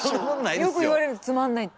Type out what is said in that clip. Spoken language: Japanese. よく言われる「つまんない」って。